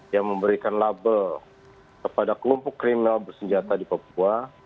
yang memberikan label kepada kelompok kriminal bersenjata di papua